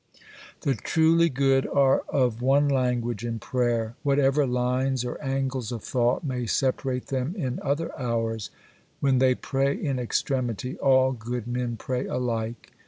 The truly good are of one language in prayer. Whatever lines or angles of thought may separate them in other hours, when they pray in extremity, all good men pray alike.